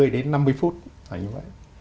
ba mươi đến năm mươi phút